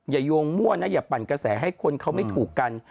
โยงมั่วนะอย่าปั่นกระแสให้คนเขาไม่ถูกกัน